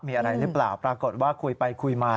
มีอะไรหรือเปล่าปรากฏว่าคุยไปคุยมา